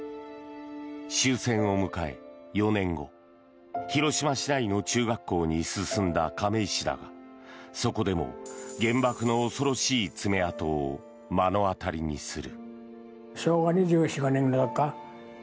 終戦を迎え、４年後広島市内の中学校に進んだ亀井氏だがそこでも原爆の恐ろしい爪痕を目の当たりにする。